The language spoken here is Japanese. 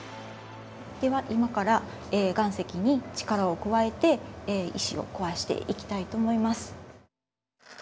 では今から岩石に力を加えて石を壊していきたいと思います。